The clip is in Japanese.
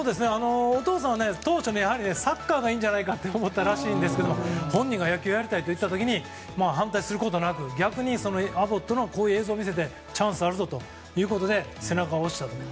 お父さんは、父ちゃんはサッカーがいいんじゃないかと思ったらしいんですけど本人が野球をやりたいと言った時に反対することなく逆にアボットの映像を見せてチャンスはあるぞということで背中を押したと。